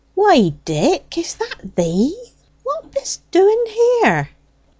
"Why, Dick, is that thee? What b'st doing here?"